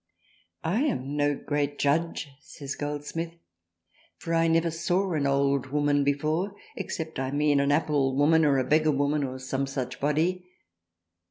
I am no great Judge says Goldsmith for I never saw an old woman before, except I mean an Applewoman or a Beggarwoman or some such body.